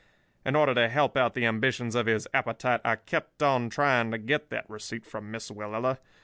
In order to help out the ambitions of his appetite I kept on trying to get that receipt from Miss Willella.